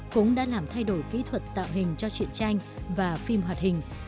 cũng đã làm thay đổi kỹ thuật tạo hình cho chuyện tranh và phim hoạt hình